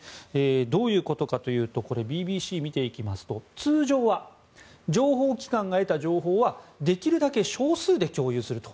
どういうことかというとこれ、ＢＢＣを見ていきますと通常は情報機関が得た情報はできるだけ少数で共有すると。